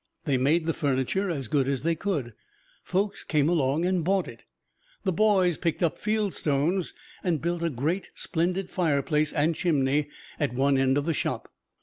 They made the furniture as good as they could folks came along and bought it. The boys picked up field stones and built a great, splendid fireplace and chimney at one end of the Shop.